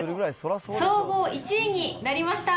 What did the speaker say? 総合１位になりました。